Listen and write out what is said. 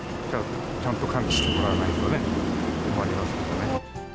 ちゃんと管理してもらわないとね、困りますよね。